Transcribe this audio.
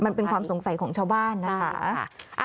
มันเป็นความสงสัยของชาวบ้านนะคะ